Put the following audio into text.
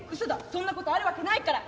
そんなことあるわけない」から。